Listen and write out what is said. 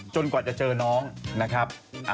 กว่าจะเจอน้องนะครับ